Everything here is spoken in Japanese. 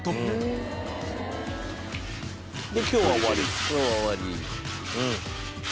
高橋：今日は終わり。